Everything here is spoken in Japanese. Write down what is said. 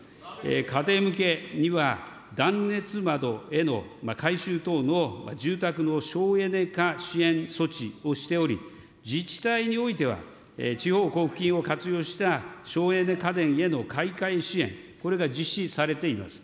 家庭向けには、断熱窓への改修等の住宅の省エネ化支援措置をしており、自治体においては、地方交付金を活用した省エネ家電への買い替え支援、これが実施されています。